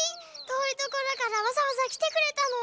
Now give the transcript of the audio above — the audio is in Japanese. とおいところからわざわざきてくれたの？